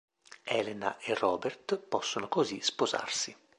Elena e Robert possono così sposarsi.